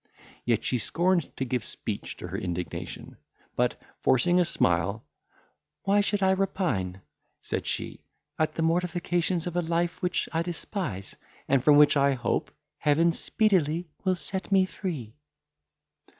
Yet she scorned to give speech to her indignation; but, forcing a smile, "Why should I repine," said she, "at the mortifications of a life which I despise, and from which, I hope, Heaven speedily will set me free!"